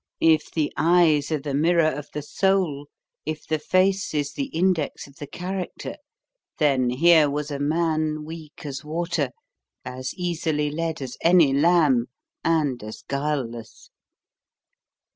If the eyes are the mirror of the soul, if the face is the index of the character, then here was a man weak as water, as easily led as any lamb, and as guileless.